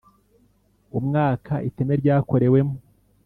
Umwaka iteme ryakorewemo